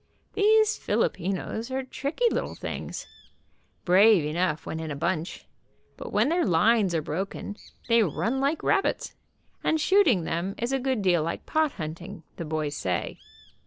Those Filipinos are tricky little things, brave enough when in a bunch, but when their lines are broken they run like rabbits, and shooting them is a good deal like pot hunting, the boys say.